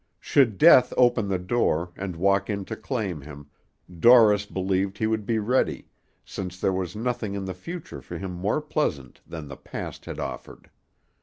Should Death open the door, and walk in to claim him, Dorris believed he would be ready, since there was nothing in the future for him more pleasant than the past had offered.